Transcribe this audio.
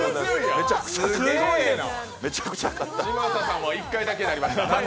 嶋佐さんは１回だけになりました。